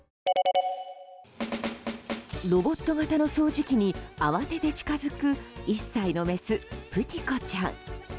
ロボット型の掃除機に慌てて近づく１歳のメス、ぷてぃこちゃん。